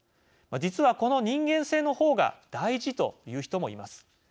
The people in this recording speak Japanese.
実は、この人間性の方が大事という人もいます。